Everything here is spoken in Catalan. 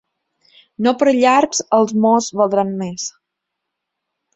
No per llargs els mots valdran més.